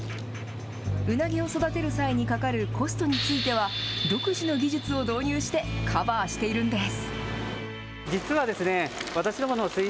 ウナギを育てる際にかかるコストについては独自の技術を導入してカバーしているんです。